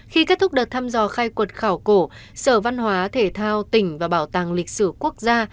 khi kết thúc đợt thăm dò khai quật khảo cổ sở văn hóa thể thao tỉnh và bảo tàng lịch sử quốc gia